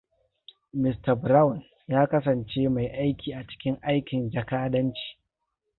Mista Brown ya kasance mai aiki a cikin aikin jakadanci.